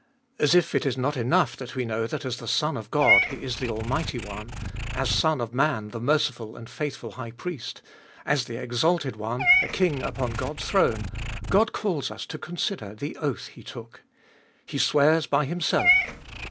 As if it is not enough that we know that as the Son of God He is the Almighty One, as Son of Man the merciful and faithful High Priest, as the exalted One, a King upon God's throne, God calls us to consider the oath He took. He swears by Himself.